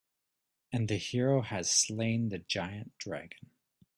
And the hero has slain the giant dragon.